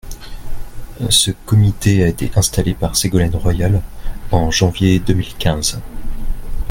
Ce comité a été installé par Ségolène Royal en janvier deux mille quinze.